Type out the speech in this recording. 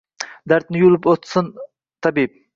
Dardni yulib otsin tabib.